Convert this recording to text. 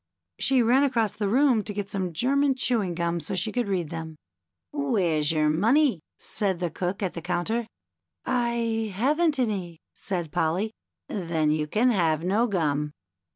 She ran across the room to get some German chewing gum so she could read them. "Where's your money?" said the Cook at the coun ter. " I haven't any," said Polly. " Then you can have no gum."